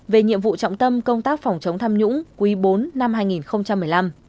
về nhiệm vụ trọng tâm công tác phòng chống tham nhũng quý bốn năm hai nghìn một mươi năm